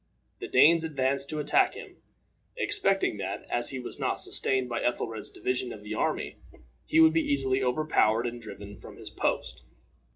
The Danes advanced to attack him, expecting that, as he was not sustained by Ethelred's division of the army, he would be easily overpowered and driven from his post.